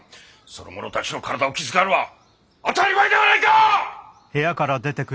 その者たちの体を気遣うのは当たり前ではないか！